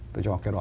tôi cho cái đó